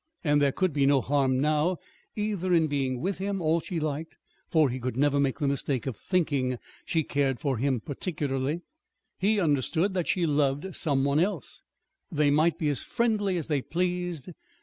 And there could be no harm now, either, in being with him all she liked, for he could never make the mistake of thinking she cared for him particularly. He understood that she loved some one else. They might be as friendly as they pleased.